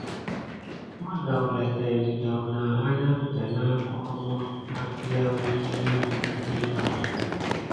Ma gawla tay dədawna anamda na koro makiawi ɗəf i ɓa.